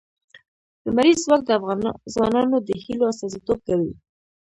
لمریز ځواک د افغان ځوانانو د هیلو استازیتوب کوي.